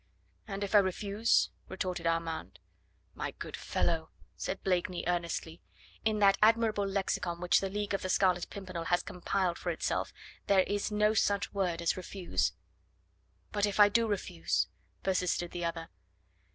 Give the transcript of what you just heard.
"And if I refuse?" retorted Armand. "My good fellow," said Blakeney earnestly, "in that admirable lexicon which the League of the Scarlet Pimpernel has compiled for itself there is no such word as refuse." "But if I do refuse?" persisted the other.